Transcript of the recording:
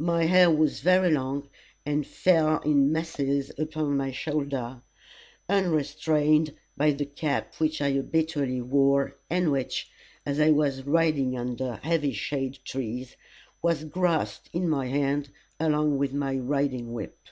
My hair was very long, and fell in masses upon my shoulder, unrestrained by the cap which I habitually wore, and which, as I was riding under heavy shade trees, was grasped in my hand along with my riding whip.